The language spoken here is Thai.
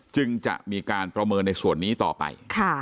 จึงจะมีการประเมินในส่วนนี้ต่อไป